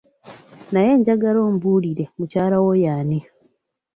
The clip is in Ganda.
Naye njagala ombuulire, mukyala wo y'ani?